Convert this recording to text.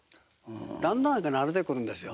だんだん慣れてくるんですよ。